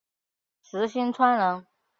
石星川人。